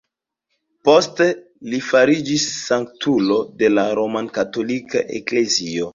Poste li fariĝis sanktulo de la rom-katolika Eklezio.